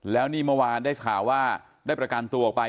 แล้วนี้เมื่อวานได้สหายว่าได้ประการตัวไป